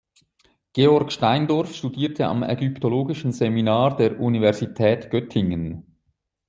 Georg Steindorff studierte am Ägyptologischen Seminar der Universität Göttingen.